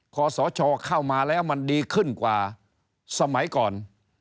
ขอสชเข้ามาแล้วมันดีขึ้นกว่าสมัยก่อน